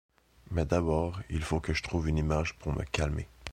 Mais d’abord, il faut que je trouve une image pour me calmer.